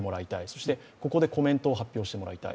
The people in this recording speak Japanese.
そして、ここでコメントを発表してもらいたい。